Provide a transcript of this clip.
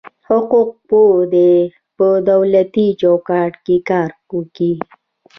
حقوق پوه دي په دولتي چوکاټ کي کار وکي.